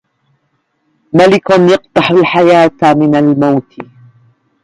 مَلِكٌ يقدحُ الحياة من الموْ